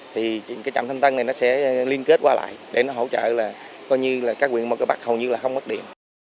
thì trạm thanh tân sẽ liên kết qua lại để hỗ trợ các huyện mỏ cày bắc hầu như không mất điện